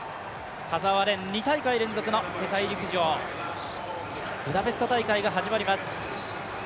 田澤廉、２大会連続の世界陸上ブダペスト大会が始まります。